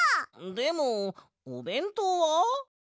でもおべんとうは？